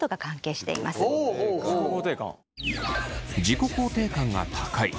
自己肯定感が高い。